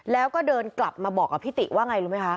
แล้วก็เดินกลับมาบอกกับพี่ติว่าไงรู้ไหมคะ